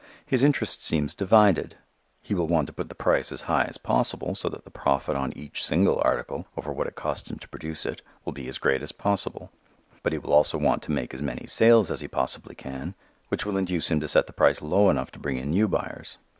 His interest seems divided. He will want to put the price as high as possible so that the profit on each single article (over what it costs him to produce it) will be as great as possible. But he will also want to make as many sales as he possibly can, which will induce him to set the price low enough to bring in new buyers.